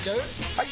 ・はい！